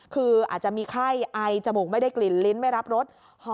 คืออาจจะมีไข้ไอจมูกไม่ได้กลิ่นลิ้นไม่รับรส